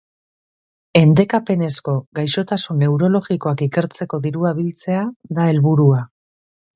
Endekapenezko gaixotasun neurologikoak ikertzeko dirua biltzea da helburua.